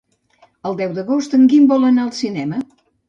El deu d'agost en Guim vol anar al cinema.